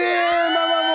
ママも！